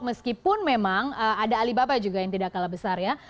meskipun memang ada alibaba juga yang tidak kalah besar ya